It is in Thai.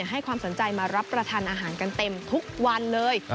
ให้ความสนใจมารับประทานอาหารกันเต็มทุกวันเลย